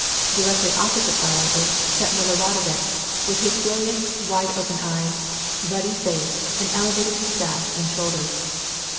Directly opposite Wierother sat Miloradovitch, with his brilliant, wide open eyes, ruddy face, and elevated mustache and shoulders.